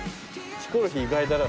ヒコロヒー意外だな。